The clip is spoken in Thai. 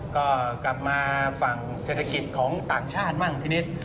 ก็กลับมาฝั่งเศรษฐกิจของต่างชาติบ้างพี่นิด